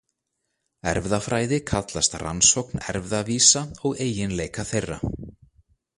Erfðafræði kallast rannsókn erfðavísa og eiginleika þeirra.